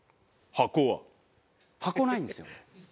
箱はないんですよね。